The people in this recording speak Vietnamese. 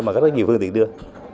mà có rất nhiều phương tiện đưa